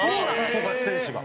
富樫選手が。